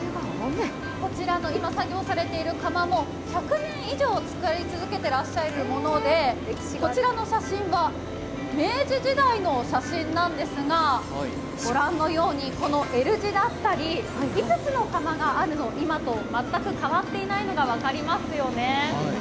こちらの今、作業されている釜も１００年以上使い続けていらっしゃるものでこちらの写真は明治時代の写真なんですがご覧のようにＬ字だったり５つの釜があるの今と全く変わっていないのが分かりますよね。